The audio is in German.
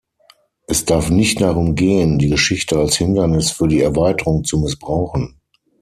Es darf nicht darum gehen, die Geschichte als Hindernis für die Erweiterung zu missbrauchen.